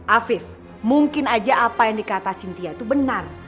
alfif mungkin aja apa yang dikata sintia itu benar